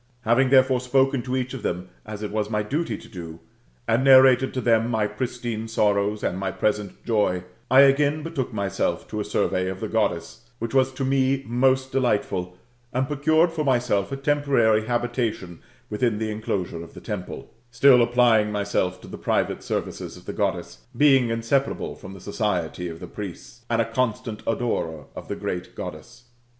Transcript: Having therefore spoken to each of them, as it was my duty to do, and narrated to them my pristine sorrows and my present joy, I again betook myself to a survey of the Goddess, which was to me most delightful, and procured for myself a temporary habita tion within the enclosure of the temple ; still applying myself to the private services of the Goddess, being inseparable from the society of the priests, and a constant adorer of the great Goddess.